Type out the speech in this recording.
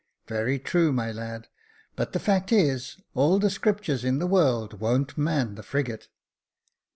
"Very true, my lad; but the fact is, all the scriptures in the world won't man the frigate.